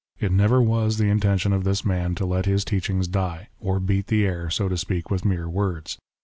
It never was the intention of this man to let his teachings die, or beat the air, so to speak, with mere words.